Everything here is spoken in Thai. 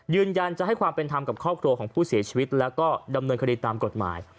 ยืนยันจะให้ความเป็นธรรมกับครอบครัวของผู้เสียชีวิตแล้วก็ดำเนินคดีตามกฎหมาย